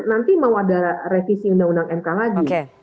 nanti mau ada revisi undang undang mk lagi